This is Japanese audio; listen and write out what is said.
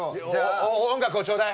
音楽をちょうだい！